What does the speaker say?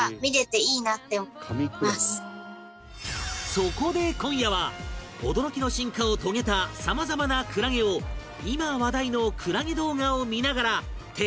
そこで今夜は驚きの進化を遂げたさまざまなクラゲを今話題のクラゲ動画を見ながら徹底授業